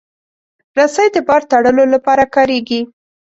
رسۍ د بار تړلو لپاره کارېږي.